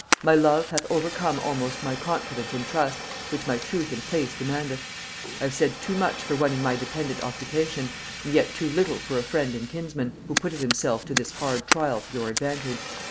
My love hath overcome almost my confidence and trust, which my truth and place demandeth. I have said too much for one in my dependent occupation, and yet too little for a friend and kinsman, who putteth himself to this hard trial for your advantage.